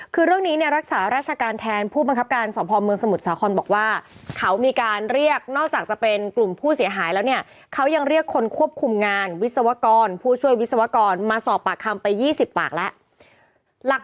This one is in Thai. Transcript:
คือเรื่องนี้เนี่ยรักษาราชการแทนผู้บังคับการสอบภอมเมืองสมุทรสาครบอกว่าเขามีการเรียกนอกจากจะเป็นกลุ่มผู้เสียหายแล้วเนี่ยเขายังเรียกคนควบคุมงานวิศวกรผู้ช่วยวิศวกรมาสอบปากคำไป๒๐ปากแล้ว